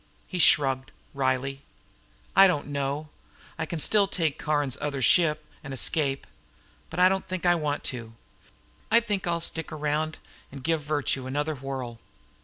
He shrugged wryly. "I don't know. I can still take Caron's other ship and escape. But I don't think I want to. I think perhaps I'll stick around and give virtue another whirl."